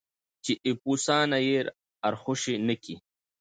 چې اېپوسه نه یې ارخوشي نه کي.